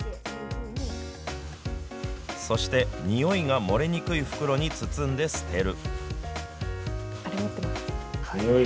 そして、臭いが漏れにくい袋に包んで捨てる。